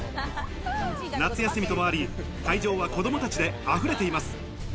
夏休みともあり、会場は子供たちで溢れています。